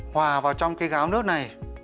hòa vào trong cái gáo nước này